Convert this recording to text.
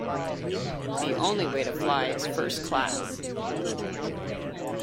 The only way to fly is first class